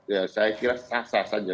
ya saya kira sah sah saja